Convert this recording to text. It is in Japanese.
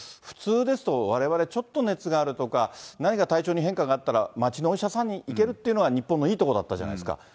普通ですと、われわれ、ちょっと熱があるとか、なんか体調に変化があったら、町のお医者さんに行けるっていうのが日本のいいとこだったじゃないですか。